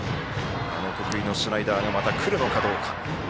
得意のスライダーがまた来るのかどうか。